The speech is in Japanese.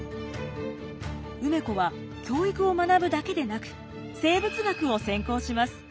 梅子は教育を学ぶだけでなく生物学を専攻します。